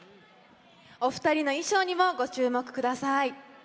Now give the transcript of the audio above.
お二人の衣装にもご注目ください。